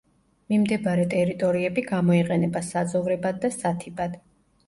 მიმდებარე ტერიტორიები გამოიყენება საძოვრებად და სათიბად.